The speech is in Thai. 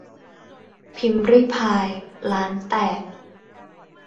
พิมรี่พาย ล้านแตก